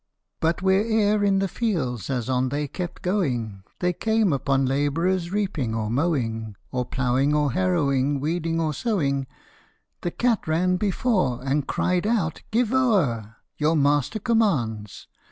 But where'er in the fields, as on they kept going, They came upon labourers reaping or mowing, Or ploughing or harrowing, weeding or sowing The cat ran before, And cried out, " Give o'er ! Your master commands